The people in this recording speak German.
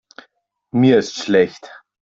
Mir ist schlecht.